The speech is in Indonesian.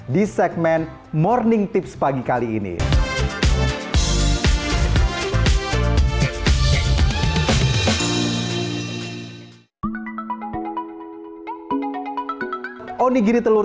di segmen morning tips pagi kali ini